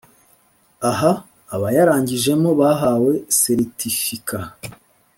Aha abayarangijemo bahawe seritifika